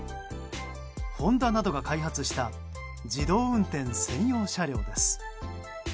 ホンダなどが開発した自動運転専用車両です。